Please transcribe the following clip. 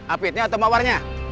apitnya atau mawarnya